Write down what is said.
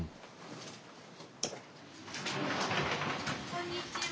こんにちは。